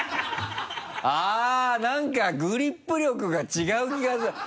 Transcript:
あぁなんかグリップ力が違う気がする。